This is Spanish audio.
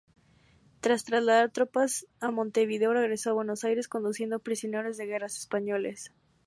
Tras trasladar tropas a Montevideo, regresó a Buenos Aires conduciendo prisioneros de guerra españoles.